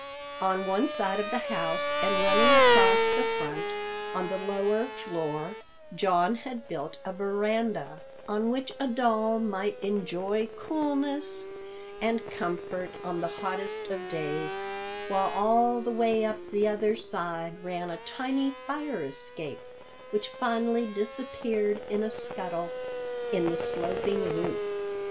On one side of the house and running across the front on the lower floor, John had built a veranda, on which a doll might enjoy coolness and comfort on the hottest of days, while all the way up the other side ran a tiny fire escape, which finally disappeared in a scuttle in the sloping roof.